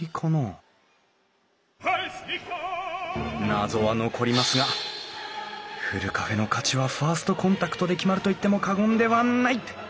謎は残りますがふるカフェの価値はファーストコンタクトで決まると言っても過言ではない！